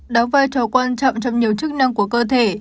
đóng vai trò quan trọng trong nhiều chức năng của cơ thể